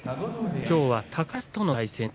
きょうは高安と対戦。